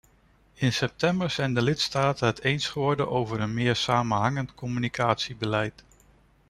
In september zijn de lidstaten het eens geworden over een meer samenhangend communicatiebeleid.